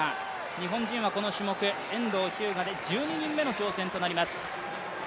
日本人はこの種目、遠藤日向で１２人目の挑戦となります。